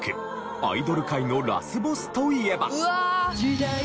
アイドル界のラスボスといえば。